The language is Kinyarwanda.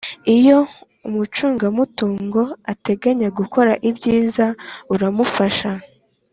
Iyo Umucungamutungo ateganya gukora ibyiza uramufasha